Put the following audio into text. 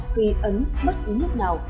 khi ấn bất cứ nước nào